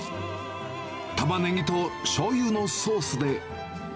タマネギとしょうゆのソースで。